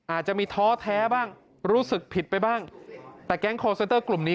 อาจจะมีท้อแท้บ้างรู้สึกผิดไปบ้างแต่แก๊งคอร์เซนเตอร์กลุ่มนี้